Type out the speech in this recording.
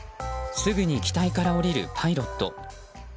すぐに機体から降りるパイロット。